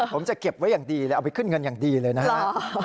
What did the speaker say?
ผมจะเก็บไว้อย่างดีเลยเอาไปขึ้นเงินอย่างดีเลยนะฮะ